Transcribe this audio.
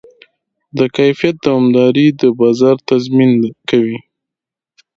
د کیفیت دوامداري د بازار تضمین کوي.